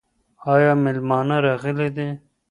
ایا مېلمانه راغلي دي؟